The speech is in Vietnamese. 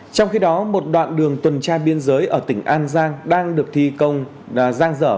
trong khi đó một đoạn đường tuần tra biên giới ở tỉnh an giang đang được thi công giang dở